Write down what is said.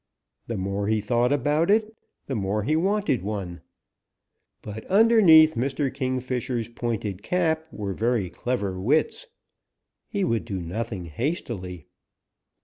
The more he thought about it, the more he wanted one. But underneath Mr. Kingfisher's pointed cap were very clever wits. He would do nothing hastily.